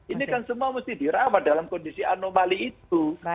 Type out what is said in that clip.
ini kan semua mesti dirawat dalam kondisi anomali itu